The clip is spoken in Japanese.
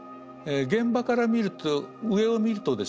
現場から見ると上を見るとですね